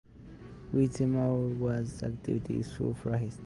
Whittemore was an active suffragist.